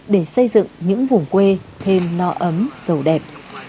để xây dựng những vùng quê thêm no ấm giàu đẹp